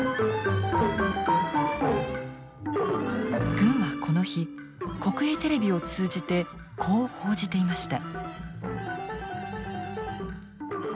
軍はこの日国営テレビを通じてこう報じていました。